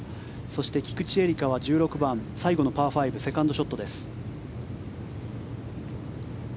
そして、菊地絵理香は１６番最後のパー５セカンドショットです。